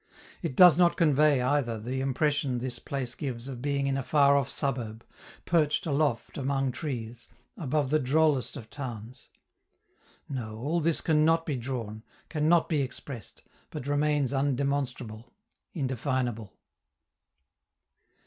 It does not convey, either, the impression this place gives of being in a far off suburb, perched aloft among trees, above the drollest of towns. No, all this can not be drawn, can not be expressed, but remains undemonstrable, indefinable.